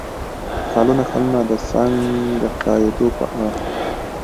کلونه کلونه د "څنګه ښکارېدو" په اړه